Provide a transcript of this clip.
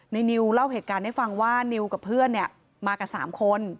นิวเล่าเหตุการณ์ให้ฟังว่านิวกับเพื่อนมากับ๓คน